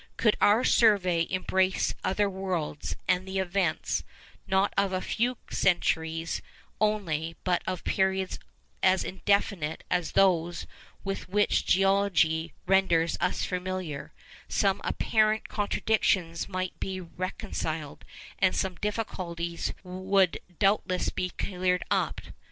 Could our survey embrace other worlds, and the events, not of a few centuries only, but of periods as indefinite as those with which geology renders us familiar, some apparent contradictions might be reconciled, and some difficulties would doubtless be cleared up.